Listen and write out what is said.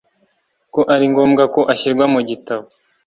ko ari ngombwa ko ashyirwa mu gitabo